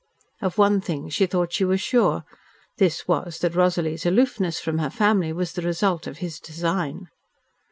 Of one thing she thought she was sure. This was that Rosalie's aloofness from her family was the result of his design.